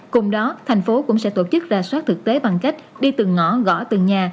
cùng đó thành phố cũng sẽ tổ chức ra soát thực tế bằng cách đi từng ngõ gõ từng nhà